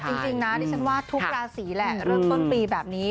จริงนะดิฉันว่าทุกราศีแหละเริ่มต้นปีแบบนี้